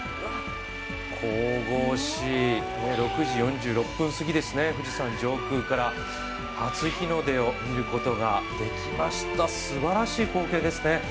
神々しい、６時４６分すぎですね、富士山上空から初日の出を見ることができました、すばらしい光景ですね。